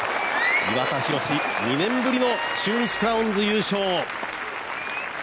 岩田寛、２年ぶりの中日クラウンズ優勝。